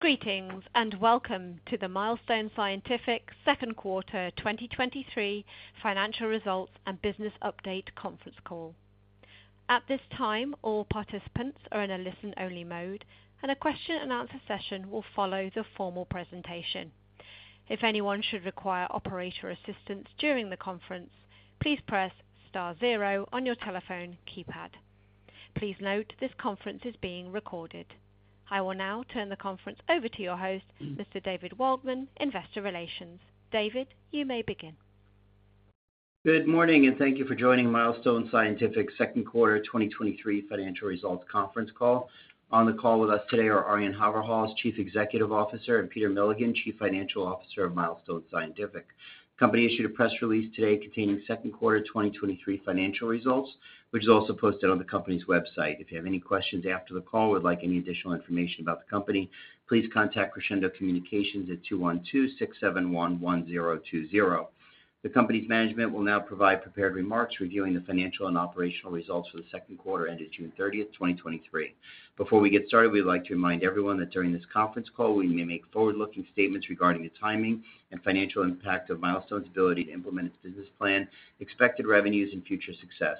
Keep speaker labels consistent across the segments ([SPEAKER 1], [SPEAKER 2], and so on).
[SPEAKER 1] Greetings, and welcome to the Milestone Scientific Second Quarter 2023 Financial Results and Business Update Conference Call. At this time, all participants are in a listen-only mode, and a question-and-answer session will follow the formal presentation. If anyone should require operator assistance during the conference, please press star zero on your telephone keypad. Please note, this conference is being recorded. I will now turn the conference over to your host, Mr. David Waldman, Investor Relations. David, you may begin.
[SPEAKER 2] Good morning, and thank you for joining Milestone Scientific's Second Quarter 2023 Financial Results Conference Call. On the call with us today are Arjan Haverhals, Chief Executive Officer, and Peter Milligan, Chief Financial Officer of Milestone Scientific. The company issued a press release today containing second quarter 2023 financial results, which is also posted on the company's website. If you have any questions after the call or would like any additional information about the company, please contact Crescendo Communications at 212-671-1020. The company's management will now provide prepared remarks reviewing the financial and operational results for the second quarter ended June thirtieth, 2023. Before we get started, we'd like to remind everyone that during this conference call, we may make forward-looking statements regarding the timing and financial impact of Milestone's ability to implement its business plan, expected revenues, and future success.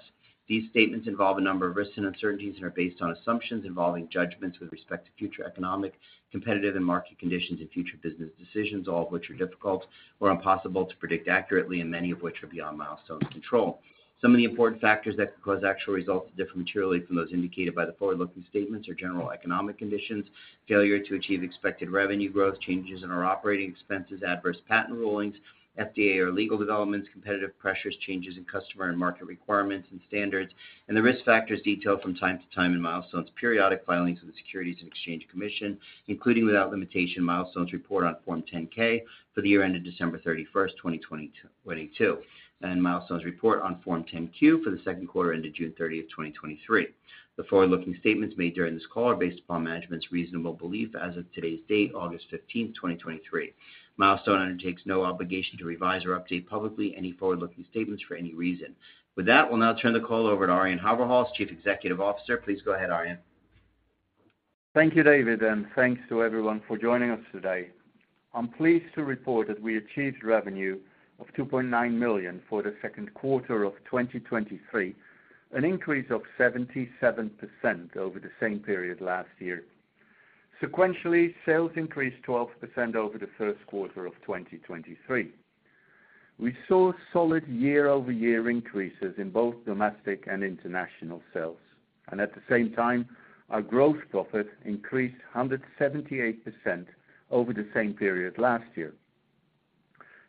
[SPEAKER 2] These statements involve a number of risks and uncertainties and are based on assumptions involving judgments with respect to future economic, competitive, and market conditions and future business decisions, all of which are difficult or impossible to predict accurately, and many of which are beyond Milestone's control. Some of the important factors that could cause actual results to differ materially from those indicated by the forward-looking statements are general economic conditions, failure to achieve expected revenue growth, changes in our operating expenses, adverse patent rulings, FDA or legal developments, competitive pressures, changes in customer and market requirements and standards, and the risk factors detailed from time to time in Milestone's periodic filings with the Securities and Exchange Commission, including, without limitation, Milestone's report on Form 10-K for the year ended December 31st, 2022, and Milestone's report on Form 10-Q for the second quarter ended June 30th, 2023. The forward-looking statements made during this call are based upon management's reasonable belief as of today's date, August 15th, 2023. Milestone undertakes no obligation to revise or update publicly any forward-looking statements for any reason. With that, we'll now turn the call over to Arjan Haverhals, Chief Executive Officer. Please go ahead, Arjan.
[SPEAKER 3] Thank you, David. Thanks to everyone for joining us today. I'm pleased to report that we achieved revenue of $2.9 million for the second quarter of 2023, an increase of 77% over the same period last year. Sequentially, sales increased 12% over the first quarter of 2023. We saw solid year-over-year increases in both domestic and international sales, and at the same time, our gross profit increased 178% over the same period last year.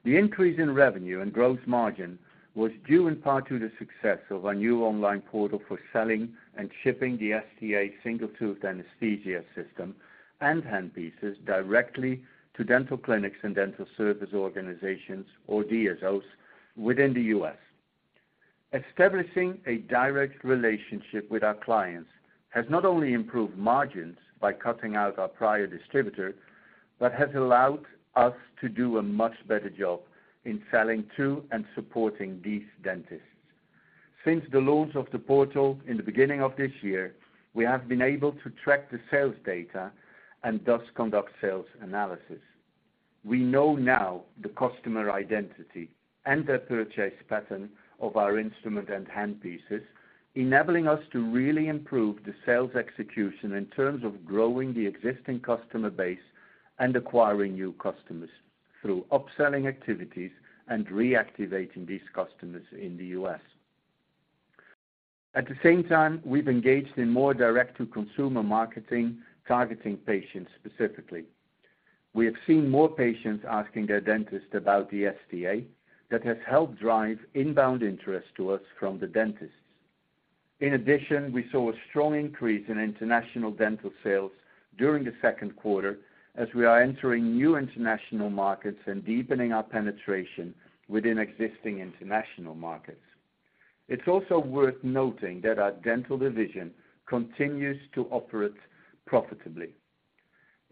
[SPEAKER 3] The increase in revenue and gross margin was due in part to the success of our new online portal for selling and shipping the STA Single Tooth Anesthesia System and handpieces directly to dental clinics and dental service organizations, or DSOs, within the U.S. Establishing a direct relationship with our clients has not only improved margins by cutting out our prior distributor. Has allowed us to do a much better job in selling to and supporting these dentists. Since the launch of the portal in the beginning of this year, we have been able to track the sales data and thus conduct sales analysis. We know now the customer identity and the purchase pattern of our instrument and handpieces, enabling us to really improve the sales execution in terms of growing the existing customer base and acquiring new customers through upselling activities and reactivating these customers in the U.S. At the same time, we've engaged in more direct-to-consumer marketing, targeting patients specifically. We have seen more patients asking their dentist about the STA, that has helped drive inbound interest to us from the dentists. In addition, we saw a strong increase in international dental sales during the second quarter as we are entering new international markets and deepening our penetration within existing international markets. It's also worth noting that our dental division continues to operate profitably.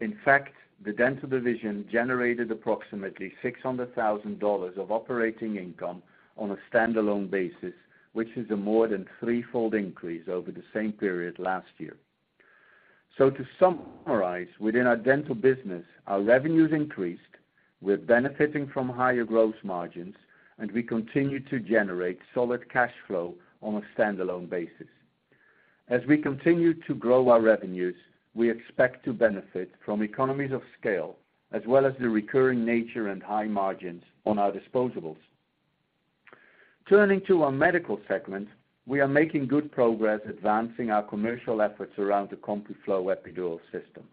[SPEAKER 3] In fact, the dental division generated approximately $600,000 of operating income on a standalone basis, which is a more than threefold increase over the same period last year. To summarize, within our dental business, our revenues increased, we're benefiting from higher gross margins, and we continue to generate solid cash flow on a standalone basis. As we continue to grow our revenues, we expect to benefit from economies of scale, as well as the recurring nature and high margins on our disposables. Turning to our medical segment, we are making good progress advancing our commercial efforts around the CompuFlo Epidural System.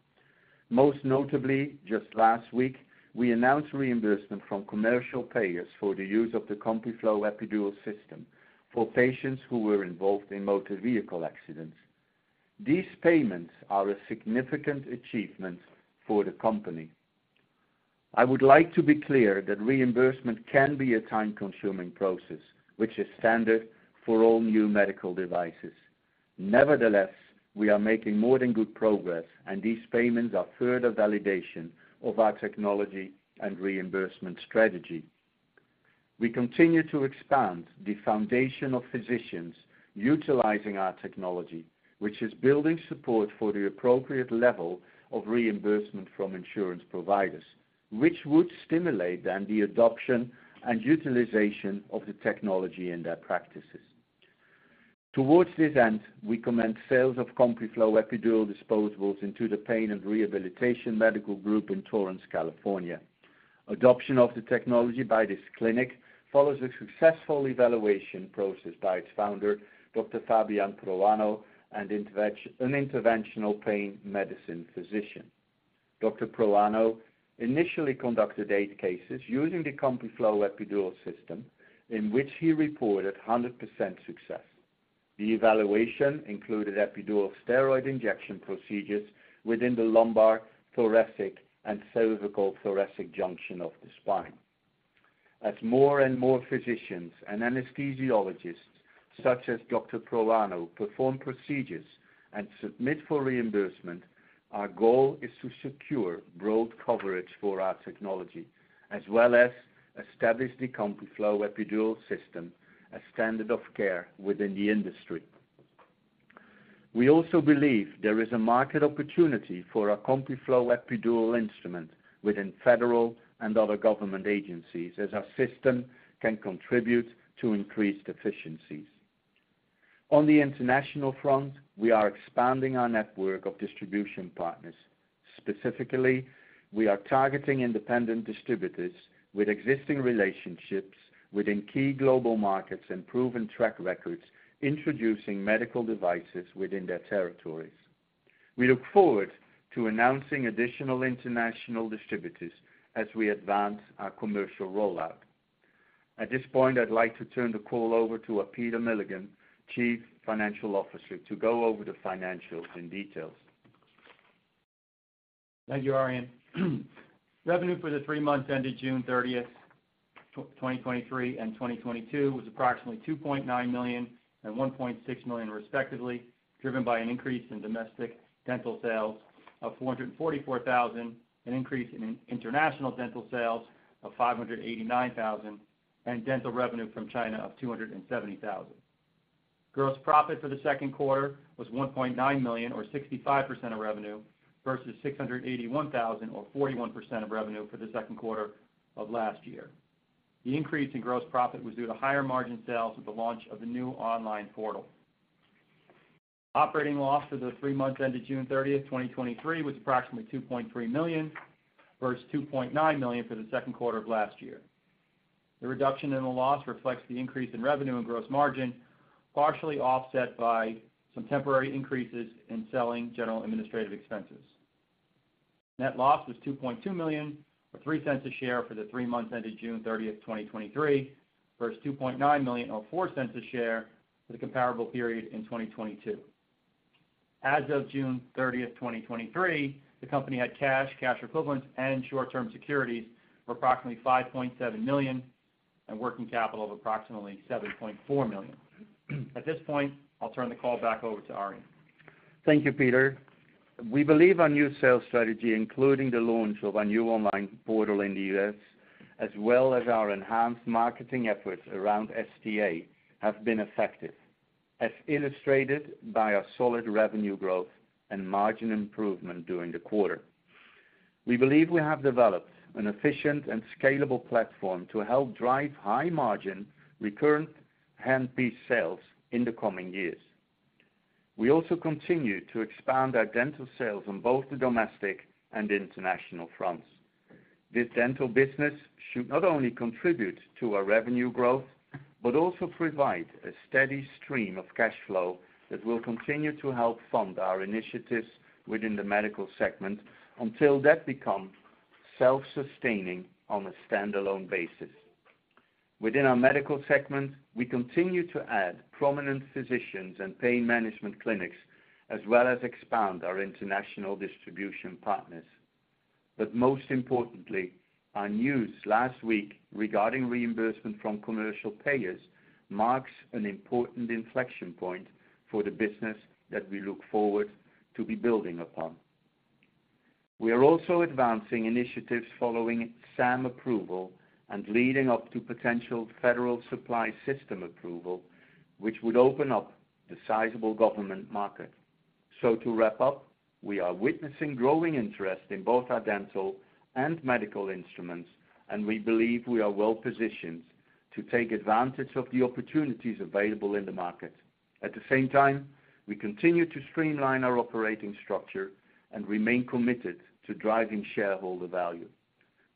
[SPEAKER 3] Most notably, just last week, we announced reimbursement from commercial payers for the use of the CompuFlo Epidural System for patients who were involved in motor vehicle accidents. These payments are a significant achievement for the company. I would like to be clear that reimbursement can be a time-consuming process, which is standard for all new medical devices. Nevertheless, we are making more than good progress, and these payments are further validation of our technology and reimbursement strategy. We continue to expand the foundation of physicians utilizing our technology, which is building support for the appropriate level of reimbursement from insurance providers, which would stimulate then the adoption and utilization of the technology in their practices. Towards this end, we commenced sales of CompuFlo Epidural disposables into the Pain and Rehabilitation Medical Group in Torrance, California. Adoption of the technology by this clinic follows a successful evaluation process by its founder, Dr. Fabian Proano, an interventional pain medicine physician. Dr. Proano initially conducted eight cases using the CompuFlo Epidural System, in which he reported 100% success. The evaluation included epidural steroid injection procedures within the lumbar, thoracic, and cervicothoracic junction of the spine. As more and more physicians and anesthesiologists, such as Dr. Proano, perform procedures and submit for reimbursement, our goal is to secure broad coverage for our technology, as well as establish the CompuFlo Epidural System a standard of care within the industry. We also believe there is a market opportunity for our CompuFlo Epidural instrument within Federal and other government agencies, as our system can contribute to increased efficiencies. On the international front, we are expanding our network of distribution partners. Specifically, we are targeting independent distributors with existing relationships within key global markets and proven track records, introducing medical devices within their territories. We look forward to announcing additional international distributors as we advance our commercial rollout. At this point, I'd like to turn the call over to Peter Milligan, Chief Financial Officer, to go over the financials in details.
[SPEAKER 4] Thank you, Arjan. Revenue for the three months ended June 30th, 2023 and 2022, was approximately $2.9 million and $1.6 million, respectively, driven by an increase in domestic dental sales of $444,000, an increase in international dental sales of $589,000, and dental revenue from China of $270,000. Gross profit for the second quarter was $1.9 million, or 65% of revenue, versus $681,000, or 41% of revenue for the second quarter of last year. The increase in gross profit was due to higher margin sales with the launch of the new online portal. Operating loss for the three months ended June 30th, 2023, was approximately $2.3 million, versus $2.9 million for the second quarter of last year. The reduction in the loss reflects the increase in revenue and gross margin, partially offset by some temporary increases in selling general administrative expenses. Net loss was $2.2 million, or $0.03 a share, for the 3 months ended June 30, 2023, versus $2.9 million, or $0.04 a share, for the comparable period in 2022. As of June 30, 2023, the company had cash, cash equivalents, and short-term securities for approximately $5.7 million, and working capital of approximately $7.4 million. At this point, I'll turn the call back over to Arjan.
[SPEAKER 3] Thank you, Peter. We believe our new sales strategy, including the launch of our new online portal in the U.S., as well as our enhanced marketing efforts around STA, have been effective, as illustrated by our solid revenue growth and margin improvement during the quarter. We believe we have developed an efficient and scalable platform to help drive high-margin, recurrent handpiece sales in the coming years. We also continue to expand our dental sales on both the domestic and international fronts. This dental business should not only contribute to our revenue growth, but also provide a steady stream of cash flow that will continue to help fund our initiatives within the medical segment, until that becomes self-sustaining on a standalone basis. Within our medical segment, we continue to add prominent physicians and pain management clinics, as well as expand our international distribution partners. Most importantly, our news last week regarding reimbursement from commercial payers marks an important inflection point for the business that we look forward to be building upon. We are also advancing initiatives following SAM approval and leading up to potential Federal Supply System approval, which would open up the sizable government market. To wrap up, we are witnessing growing interest in both our dental and medical instruments, and we believe we are well positioned to take advantage of the opportunities available in the market. At the same time, we continue to streamline our operating structure and remain committed to driving shareholder value.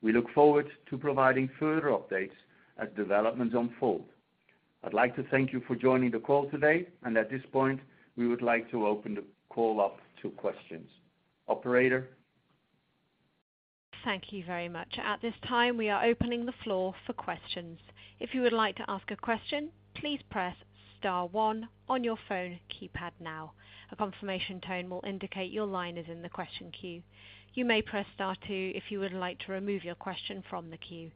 [SPEAKER 3] We look forward to providing further updates as developments unfold. I'd like to thank you for joining the call today, and at this point, we would like to open the call up to questions. Operator?
[SPEAKER 1] Thank you very much. At this time, we are opening the floor for questions. If you would like to ask a question, please press star one on your phone keypad now. A confirmation tone will indicate your line is in the question queue. You may press star two if you would like to remove your question from the queue.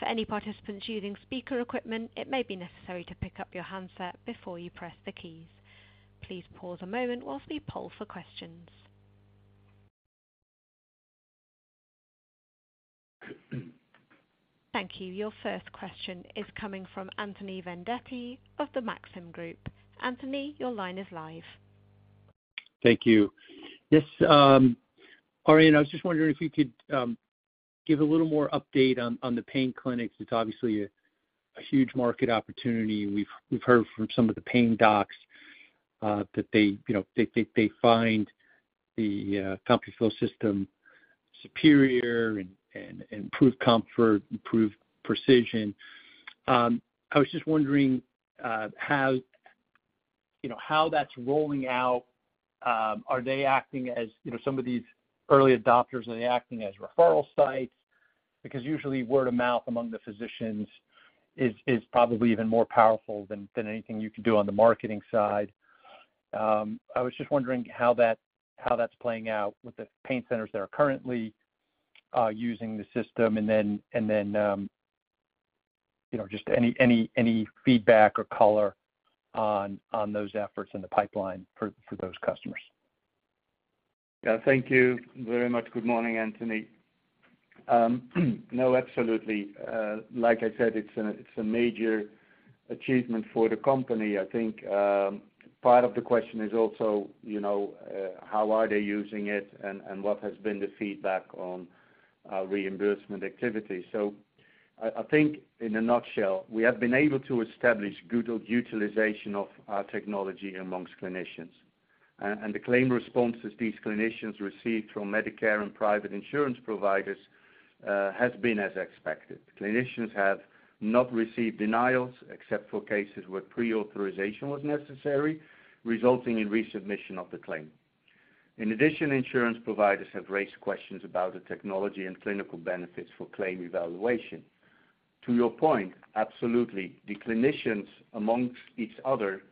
[SPEAKER 1] For any participants using speaker equipment, it may be necessary to pick up your handset before you press the keys. Please pause a moment whilst we poll for questions. Thank you. Your first question is coming from Anthony Vendetti of the Maxim Group. Anthony, your line is live.
[SPEAKER 5] Thank you. Yes, Arjan, I was just wondering if you could give a little more update on the pain clinics. It's obviously a huge market opportunity. We've heard from some of the pain docs, that they, you know, they, they, they find the CompuFlo system superior and improved comfort, improved precision. I was just wondering, how, you know, how that's rolling out. Are they acting as, you know, some of these early adopters, are they acting as referral sites? Because usually word of mouth among the physicians is probably even more powerful than anything you could do on the marketing side. I was just wondering how that, how that's playing out with the pain centers that are currently using the system, and then, and then, you know, just any, any, any feedback or color on, on those efforts in the pipeline for, for those customers.
[SPEAKER 3] Yeah. Thank you very much. Good morning, Anthony. No, absolutely. Like I said, it's a, it's a major achievement for the company. I think, part of the question is also, you know, how are they using it and, and what has been the feedback on reimbursement activity? I think in a nutshell, we have been able to establish good utilization of our technology amongst clinicians. The claim responses these clinicians received from Medicare and private insurance providers has been as expected. Clinicians have not received denials, except for cases where pre-authorization was necessary, resulting in resubmission of the claim. In addition, insurance providers have raised questions about the technology and clinical benefits for claim evaluation. To your point, absolutely, the clinicians amongst each other,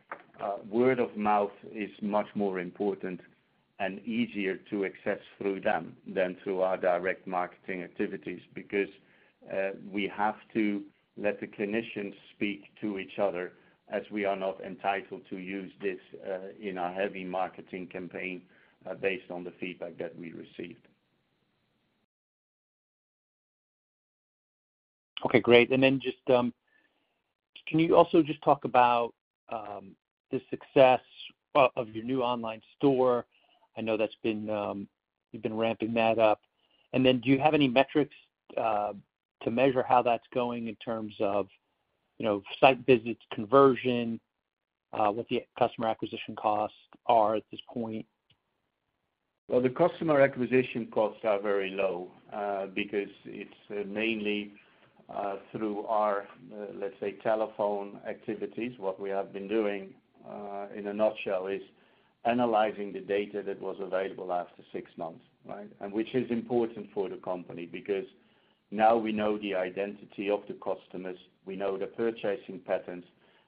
[SPEAKER 3] word of mouth is much more important and easier to access through them than through our direct marketing activities. We have to let the clinicians speak to each other, as we are not entitled to use this in our heavy marketing campaign, based on the feedback that we received.
[SPEAKER 5] Okay, great. Just, can you also just talk about the success of your new online store? I know that's been, you've been ramping that up. Do you have any metrics to measure how that's going in terms of, you know, site visits, conversion, what the customer acquisition costs are at this point?
[SPEAKER 3] Well, the customer acquisition costs are very low, because it's mainly, through our, let's say, telephone activities. What we have been doing, in a nutshell, is analyzing the data that was available after 6 months, right? Which is important for the company, because now we know the identity of the customers, we know the purchasing patterns.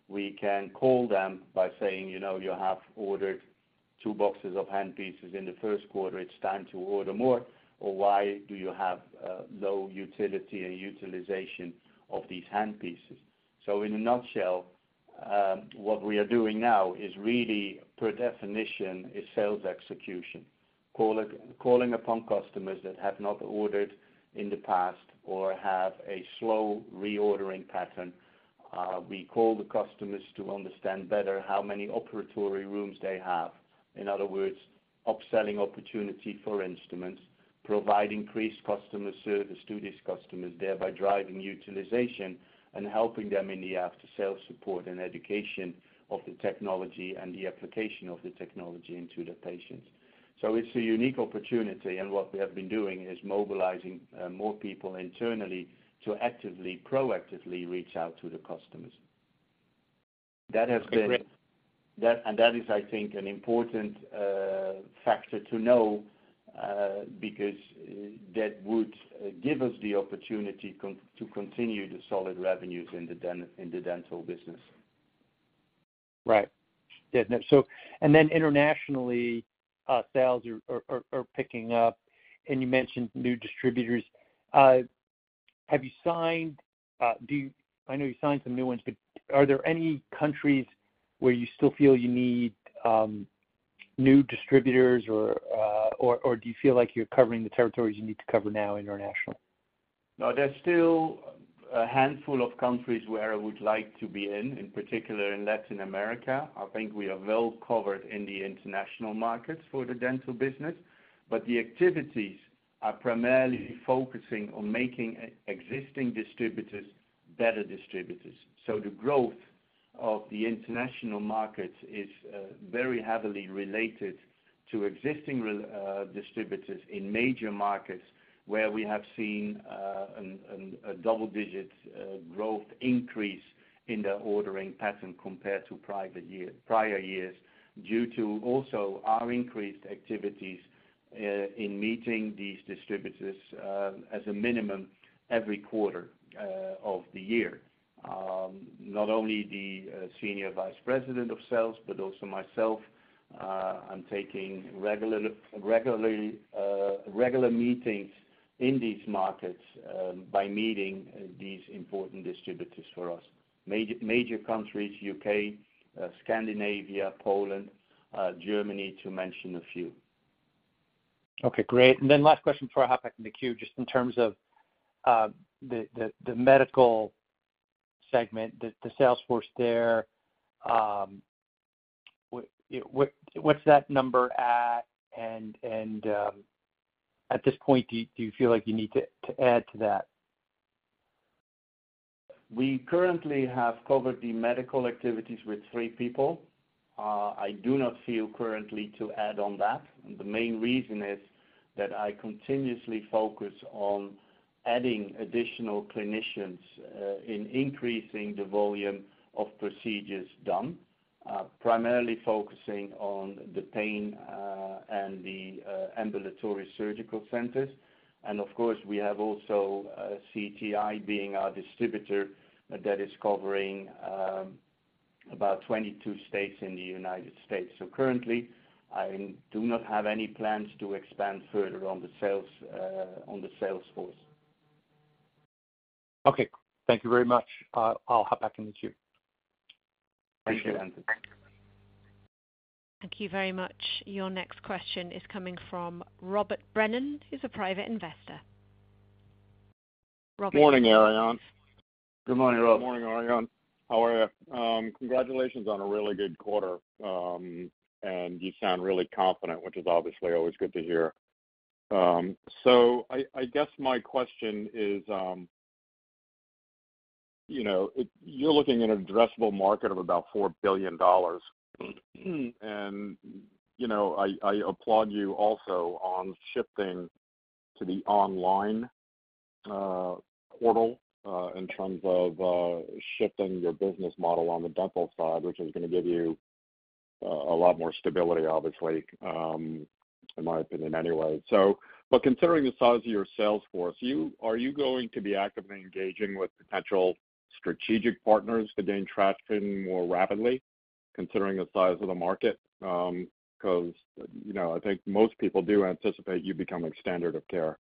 [SPEAKER 3] We can call them by saying: "You know, you have ordered 2 boxes of handpieces in the first quarter. It's time to order more," or, "Why do you have, low utility and utilization of these handpieces?" So in a nutshell, what we are doing now is really, per definition, is sales execution. Calling upon customers that have not ordered in the past or have a slow reordering pattern. We call the customers to understand better how many operatory rooms they have. In other words, upselling opportunity for instruments, provide increased customer service to these customers, thereby driving utilization and helping them in the after-sales support and education of the technology and the application of the technology into the patients. It's a unique opportunity, and what we have been doing is mobilizing more people internally to actively, proactively reach out to the customers.
[SPEAKER 5] Great.
[SPEAKER 3] That is, I think, an important factor to know, because that would give us the opportunity to continue the solid revenues in the in the dental business.
[SPEAKER 5] Right. Yeah. Then internationally, sales are picking up, and you mentioned new distributors. Have you signed, I know you signed some new ones, but are there any countries where you still feel you need new distributors, or do you feel like you're covering the territories you need to cover now internationally?
[SPEAKER 3] No, there's still a handful of countries where I would like to be in, in particular in Latin America. I think we are well covered in the international markets for the dental business. The activities are primarily focusing on making existing distributors, better distributors. The growth of the international markets is very heavily related to existing distributors in major markets, where we have seen a double-digit growth increase in the ordering pattern compared to prior years, due to also our increased activities in meeting these distributors as a minimum every quarter of the year. Not only the senior vice president of sales, but also myself, I'm taking regular meetings in these markets by meeting these important distributors for us. Major, major countries, UK, Scandinavia, Poland... Germany, to mention a few.
[SPEAKER 5] Okay, great. Last question before I hop back in the queue, just in terms of, the, the, the medical segment, the, the sales force there, what, what, what's that number at? At this point, do, do you feel like you need to, to add to that?
[SPEAKER 3] We currently have covered the medical activities with three people. I do not feel currently to add on that. The main reason is that I continuously focus on adding additional clinicians, in increasing the volume of procedures done, primarily focusing on the pain, and the ambulatory surgical centers. Of course, we have also CTI being our distributor that is covering 22 states in the United States. Currently, I do not have any plans to expand further on the sales, on the sales force.
[SPEAKER 5] Okay, thank you very much. I'll hop back in the queue.
[SPEAKER 3] Thank you, Anthony.
[SPEAKER 1] Thank you very much. Your next question is coming from Robert Brennan, who's a private investor. Robert? Morning, Arjan.
[SPEAKER 3] Good morning, Rob. Morning, Arjan. How are you? Congratulations on a really good quarter, and you sound really confident, which is obviously always good to hear. I guess my question is, you know, you're looking at an addressable market of about $4 billion. You know, I, I applaud you also on shifting to the online portal, in terms of shifting your business model on the dental side, which is gonna give you a lot more stability, obviously, in my opinion, anyway. Considering the size of your sales force, are you going to be actively engaging with potential strategic partners to gain traction more rapidly, considering the size of the market? 'Cause, you know, I think most people do anticipate you becoming standard of care.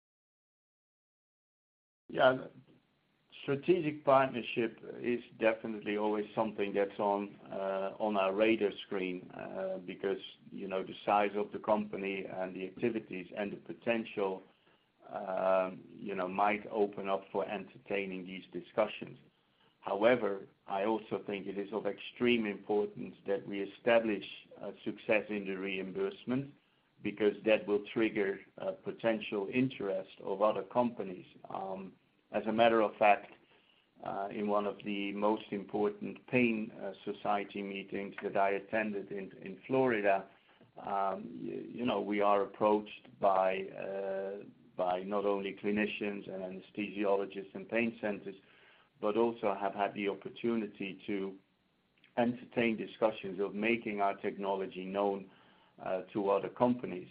[SPEAKER 3] Strategic partnership is definitely always something that's on, on our radar screen, because, you know, the size of the company and the activities and the potential, you know, might open up for entertaining these discussions. However, I also think it is of extreme importance that we establish success in the reimbursement, because that will trigger potential interest of other companies. As a matter of fact, in one of the most important pain society meetings that I attended in Florida, you know, we are approached by not only clinicians and anesthesiologists and pain centers, but also have had the opportunity to entertain discussions of making our technology known to other companies.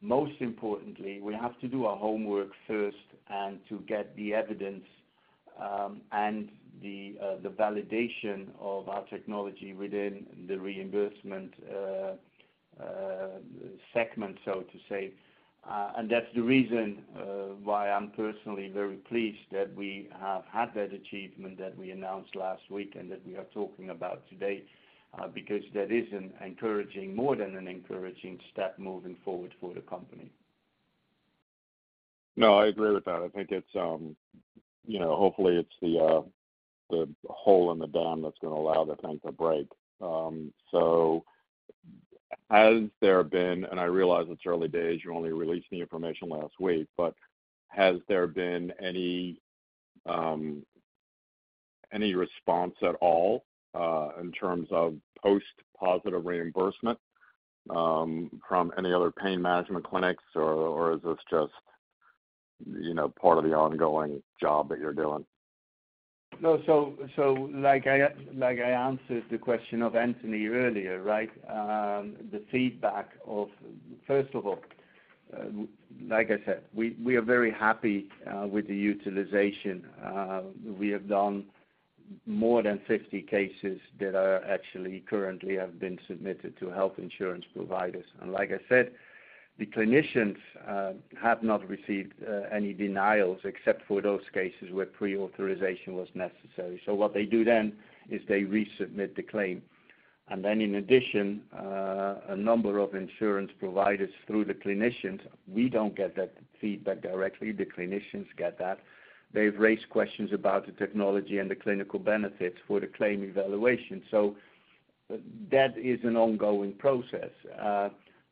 [SPEAKER 3] Most importantly, we have to do our homework first and to get the evidence, and the validation of our technology within the reimbursement segment, so to say. That's the reason why I'm personally very pleased that we have had that achievement that we announced last week and that we are talking about today, because that is an encouraging, more than an encouraging step moving forward for the company. No, I agree with that. I think it's, you know, hopefully, it's the, the hole in the dam that's gonna allow the dam to break. Has there been... And I realize it's early days, you only released the information last week, but has there been any, any response at all, in terms of post-positive reimbursement, from any other pain management clinics, or, or is this just, you know, part of the ongoing job that you're doing? No. Like I, like I answered the question of Anthony earlier, right? First of all, like I said, we are very happy with the utilization. We have done more than 50 cases that are actually currently have been submitted to health insurance providers. Like I said, the clinicians have not received any denials, except for those cases where pre-authorization was necessary. What they do then, is they resubmit the claim. Then in addition, a number of insurance providers through the clinicians, we don't get that feedback directly, the clinicians get that. They've raised questions about the technology and the clinical benefits for the claim evaluation. That is an ongoing process.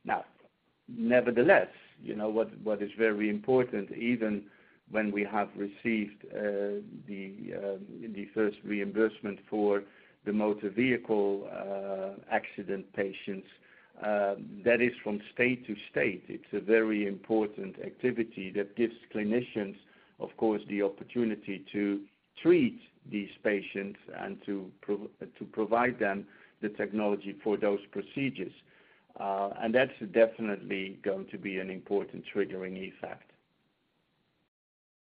[SPEAKER 3] Now, nevertheless, you know, what, what is very important, even when we have received, the first reimbursement for the motor vehicle, accident patients, that is from state to state. It's a very important activity that gives clinicians, of course, the opportunity to treat these patients and to provide them the technology for those procedures. That's definitely going to be an important triggering effect.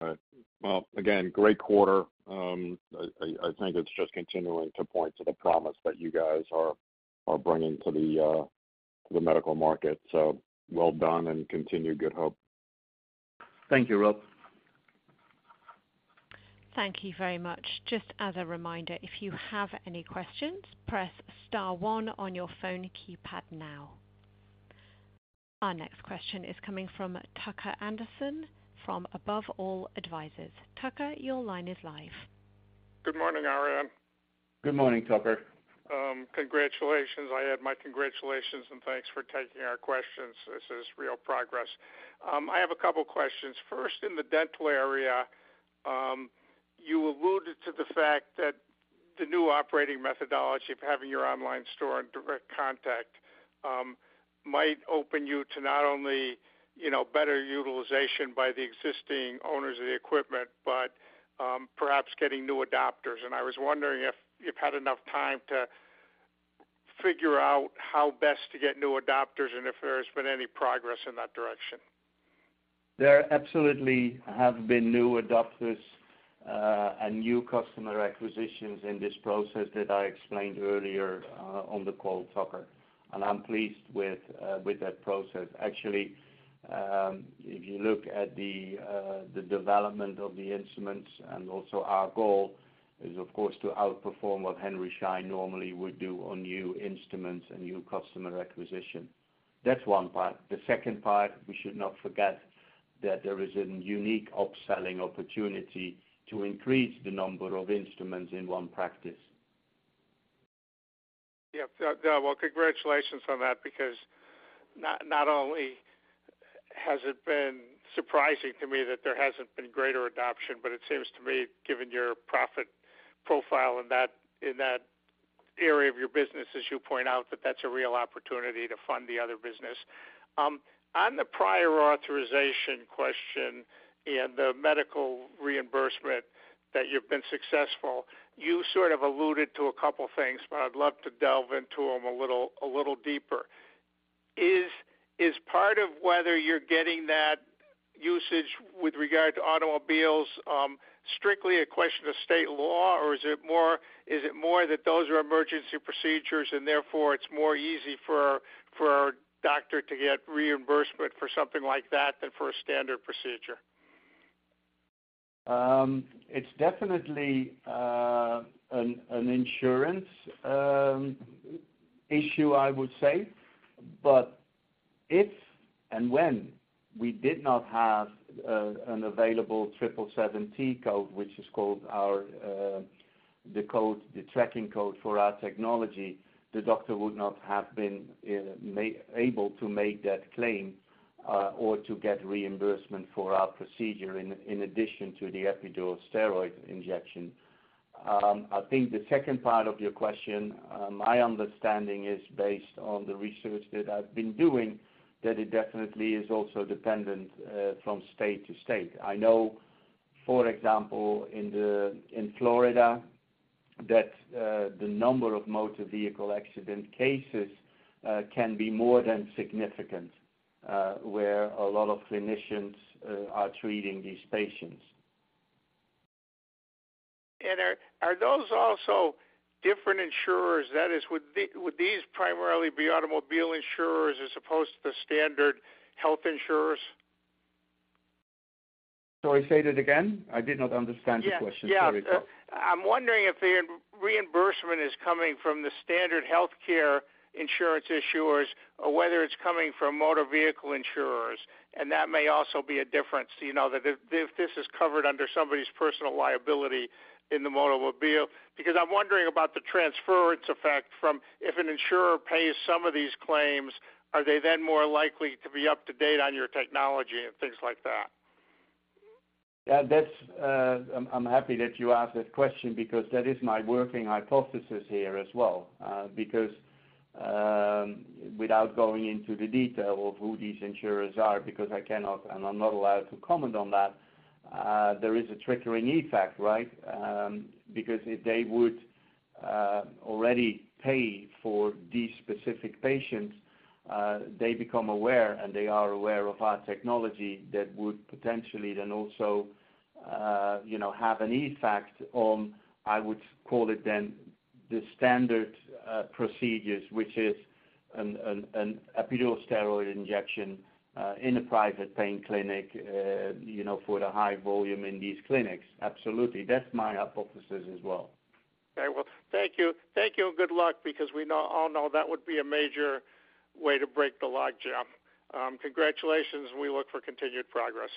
[SPEAKER 3] All right. Well, again, great quarter. I think it's just continuing to point to the promise that you guys are bringing to the medical market. Well done and continue. Good luck. Thank you, Rob.
[SPEAKER 1] Thank you very much. Just as a reminder, if you have any questions, press star one on your phone keypad now. Our next question is coming from Tucker Anderson, from Above All Advisors. Tucker, your line is live.
[SPEAKER 6] Good morning, Arjan.
[SPEAKER 3] Good morning, Tucker.
[SPEAKER 6] Congratulations. I add my congratulations and thanks for taking our questions. This is real progress. I have a couple questions. First, in the dental area, you alluded to the fact that the new operating methodology of having your online store in direct contact, might open you to not only, you know, better utilization by the existing owners of the equipment, but perhaps getting new adopters. I was wondering if you've had enough time to figure out how best to get new adopters, and if there has been any progress in that direction?
[SPEAKER 3] There absolutely have been new adopters, and new customer acquisitions in this process that I explained earlier, on the call, Tucker, and I'm pleased with that process. Actually, if you look at the development of the instruments and also our goal is, of course, to outperform what Henry Schein normally would do on new instruments and new customer acquisition. That's one part. The second part, we should not forget that there is a unique upselling opportunity to increase the number of instruments in one practice.
[SPEAKER 6] Yeah. Well, congratulations on that, because not, not only has it been surprising to me that there hasn't been greater adoption, but it seems to me, given your profit profile in that, in that area of your business, as you point out, that that's a real opportunity to fund the other business. On the prior authorization question and the medical reimbursement that you've been successful, you sort of alluded to a couple things, but I'd love to delve into them a little, a little deeper. Is, is part of whether you're getting that usage with regard to automobiles, strictly a question of state law, or is it more, is it more that those are emergency procedures and therefore it's more easy for, for a doctor to get reimbursement for something like that than for a standard procedure?
[SPEAKER 3] It's definitely an insurance issue, I would say. If and when we did not have an available 770 code, which is called our T-code, the tracking code for our technology, the doctor would not have been able to make that claim or to get reimbursement for our procedure in addition to the epidural steroid injection. I think the second part of your question, my understanding is based on the research that I've been doing, that it definitely is also dependent from state to state. I know, for example, in Florida, that the number of motor vehicle accident cases can be more than significant where a lot of clinicians are treating these patients.
[SPEAKER 6] Are those also different insurers? That is, would these primarily be automobile insurers as opposed to the standard health insurers?
[SPEAKER 3] Sorry, say that again? I did not understand the question, sorry.
[SPEAKER 6] Yeah. Yeah. I'm wondering if the reimbursement is coming from the standard healthcare insurance issuers or whether it's coming from motor vehicle insurers, and that may also be a difference. You know, that if, if this is covered under somebody's personal liability in the automobile. I'm wondering about the transference effect from if an insurer pays some of these claims, are they then more likely to be up to date on your technology and things like that?
[SPEAKER 3] Yeah, that's, I'm, I'm happy that you asked that question because that is my working hypothesis here as well. Because, without going into the detail of who these insurers are, because I cannot and I'm not allowed to comment on that, there is a trickling effect, right? Because if they would already pay for these specific patients, they become aware, and they are aware of our technology, that would potentially then also, you know, have an effect on, I would call it then, the standard procedures, which is an epidural steroid injection, in a private pain clinic, you know, for the high volume in these clinics. Absolutely. That's my hypothesis as well.
[SPEAKER 6] Okay, well, thank you. Thank you, and good luck, because we know, all know that would be a major way to break the logjam. Congratulations. We look for continued progress.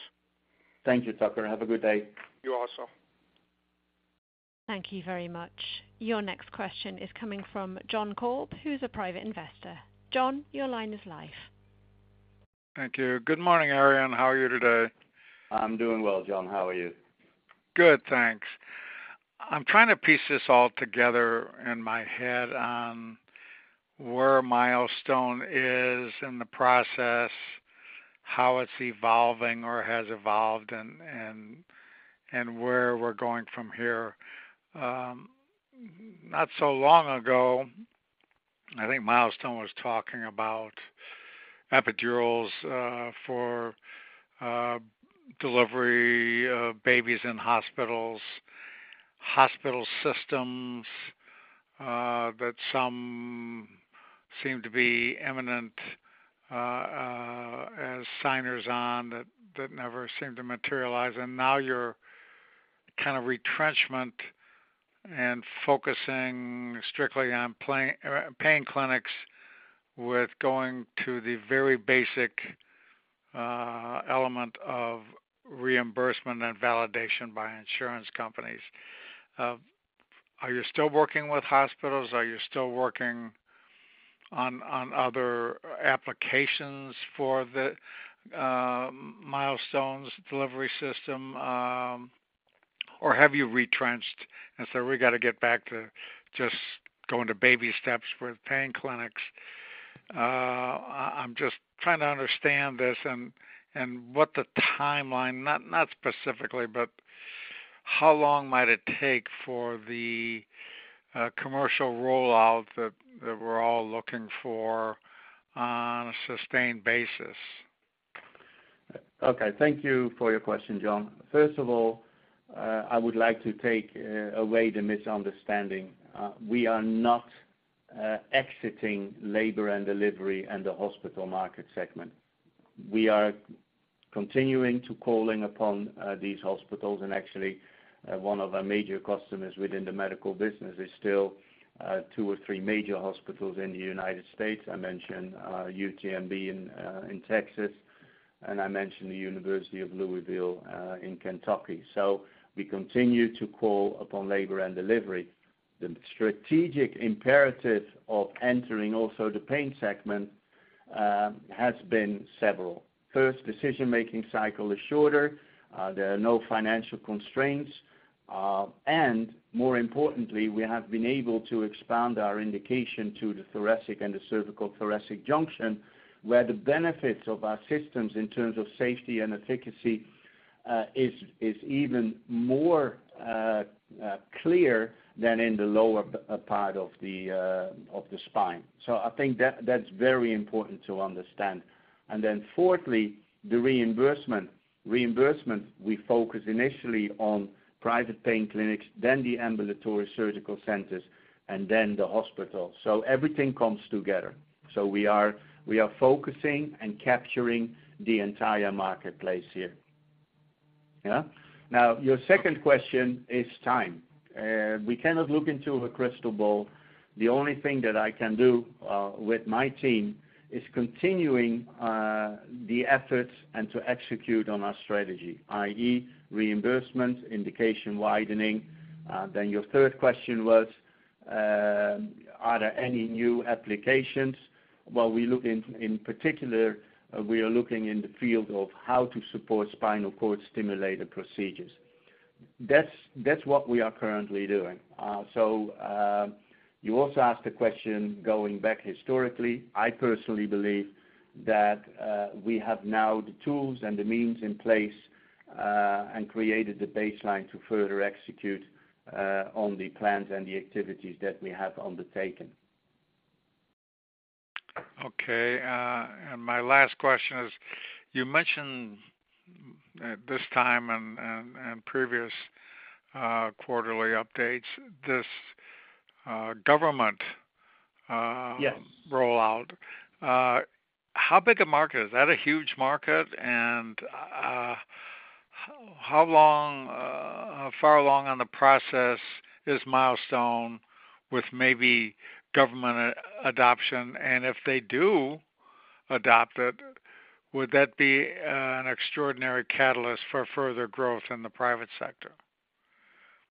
[SPEAKER 3] Thank you, Tucker. Have a good day.
[SPEAKER 6] You also.
[SPEAKER 1] Thank you very much. Your next question is coming from John Kolb, who's a private investor. John, your line is live.
[SPEAKER 7] Thank you. Good morning, Arjan. How are you today?
[SPEAKER 3] I'm doing well, John. How are you?
[SPEAKER 7] Good, thanks. I'm trying to piece this all together in my head, where Milestone is in the process, how it's evolving or has evolved, and, and, and where we're going from here. Not so long ago, I think Milestone was talking about epidurals for delivery of babies in hospitals. Hospital systems that some seem to be eminent as signers on that, that never seemed to materialize, and now you're kind of retrenchment and focusing strictly on pain clinics, with going to the very basic element of reimbursement and validation by insurance companies. Are you still working with hospitals? Are you still working on, on other applications for the Milestone's delivery system, have you retrenched, and so we gotta get back to just going to baby steps with pain clinics? I'm just trying to understand this and, and what the timeline, not, not specifically, but how long might it take for the commercial rollout that, that we're all looking for on a sustained basis?
[SPEAKER 3] Okay, thank you for your question, John. First of all, I would like to take away the misunderstanding. We are not exiting labor and delivery and the hospital market segment. We are continuing to calling upon these hospitals, and actually, one of our major customers within the medical business is still 2 or 3 major hospitals in the United States. I mentioned UTMB in Texas, and I mentioned the University of Louisville in Kentucky. We continue to call upon labor and delivery. The strategic imperative of entering also the pain segment has been several. First, decision-making cycle is shorter, there are no financial constraints, and more importantly, we have been able to expand our indication to the thoracic and the cervicothoracic junction, where the benefits of our systems in terms of safety and efficacy, is, is even more clear than in the lower part of the spine. I think that- that's very important to understand. Then fourthly, the reimbursement. Reimbursement, we focus initially on private pain clinics, then the ambulatory surgical centers, and then the hospital. Everything comes together. We are, we are focusing and capturing the entire marketplace here. Yeah. Your second question is time. We cannot look into a crystal ball. The only thing that I can do with my team, is continuing the efforts and to execute on our strategy, i.e., reimbursement, indication widening. Your third question was, are there any new applications? Well, we look in, in particular, we are looking in the field of how to support spinal cord stimulator procedures. That's, that's what we are currently doing. You also asked a question going back historically. I personally believe that we have now the tools and the means in place and created the baseline to further execute on the plans and the activities that we have undertaken.
[SPEAKER 7] Okay, and my last question is: You mentioned at this time and, and, and previous, quarterly updates, this, government...
[SPEAKER 3] Yes...
[SPEAKER 7] rollout. How big a market is that, a huge market? How, how long, how far along on the process is Milestone with maybe government adoption, and if they do adopt it, would that be an extraordinary catalyst for further growth in the private sector?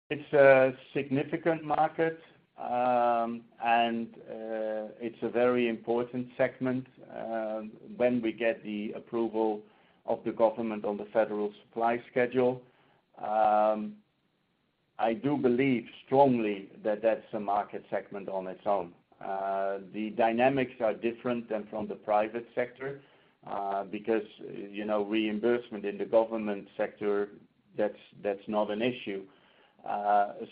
[SPEAKER 3] It's a significant market, and it's a very important segment. When we get the approval of the government on the Federal Supply Schedule, I do believe strongly that that's a market segment on its own. The dynamics are different than from the private sector, because, you know, reimbursement in the government sector, that's, that's not an issue.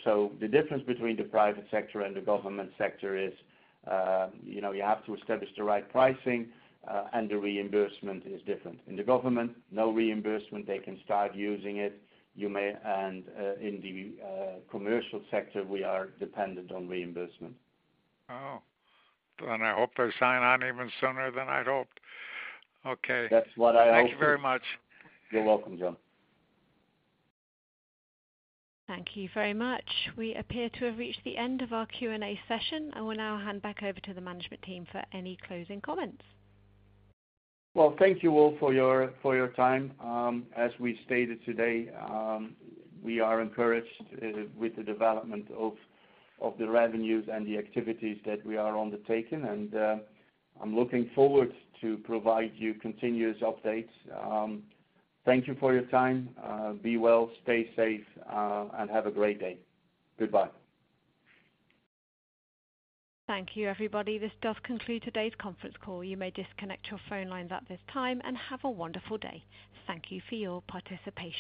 [SPEAKER 3] So the difference between the private sector and the government sector is, you know, you have to establish the right pricing, and the reimbursement is different. In the government, no reimbursement, they can start using it. You may. In the commercial sector, we are dependent on reimbursement.
[SPEAKER 7] Oh, I hope they sign on even sooner than I'd hoped. Okay.
[SPEAKER 3] That's what I hope.
[SPEAKER 7] Thank you very much.
[SPEAKER 3] You're welcome, John.
[SPEAKER 1] Thank you very much. We appear to have reached the end of our Q&A session, and we'll now hand back over to the management team for any closing comments.
[SPEAKER 3] Well, thank you all for your, for your time. As we stated today, we are encouraged with the development of the revenues and the activities that we are undertaking, and I'm looking forward to provide you continuous updates. Thank you for your time. Be well, stay safe, and have a great day. Goodbye.
[SPEAKER 1] Thank you, everybody. This does conclude today's conference call. You may disconnect your phone lines at this time, and have a wonderful day. Thank you for your participation.